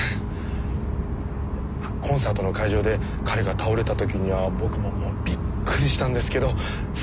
コンサートの会場で彼が倒れた時には僕ももうびっくりしたんですけどすぐに意識が戻りまして。